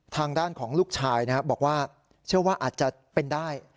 ทางด้านของลูกชายบอกว่าเชื่อว่าอาจจะเป็นได้